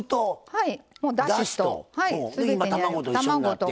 はい。